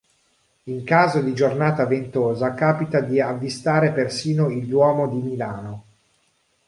In caso di giornata ventosa capita di avvistare persino il Duomo di Milano.